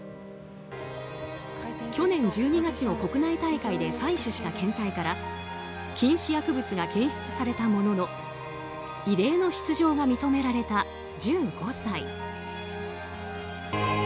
去年１２月の国内大会で採取した検体から禁止薬物が検出されたものの異例の出場が認められた１５歳。